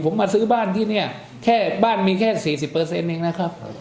ผมมาซื้อบ้านที่เนี้ยแค่บ้านมีแค่สี่สิบเปอร์เซ็นต์เองนะครับ